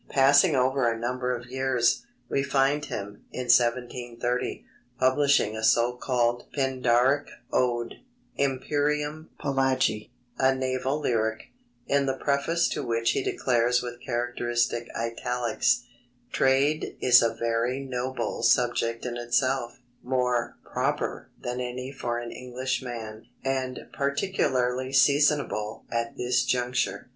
Passing over a number of years, we find him, in 1730, publishing a so called Pindaric ode, Imperium Pelagi; a Naval Lyric, in the preface to which he declares with characteristic italics: "Trade is a very noble subject in itself; more proper than any for an Englishman; and particularly seasonable at this juncture."